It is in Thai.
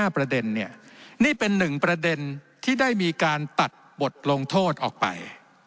ประเด็นเนี่ยนี่เป็นหนึ่งประเด็นที่ได้มีการตัดบทลงโทษออกไป